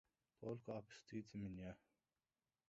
– Только отпустите меня.